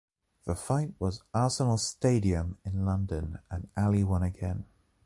The fight was at "Arsenal Stadium" in London and Ali won again.